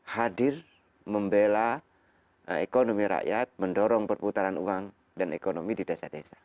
hadir membela ekonomi rakyat mendorong perputaran uang dan ekonomi di desa desa